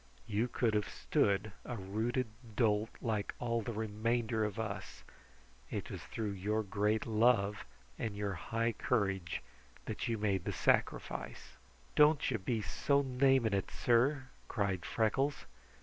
You could have stood a rooted dolt like all the remainder of us. It was through your great love and your high courage that you made the sacrifice." "Don't you be so naming it, sir!" cried Freckles.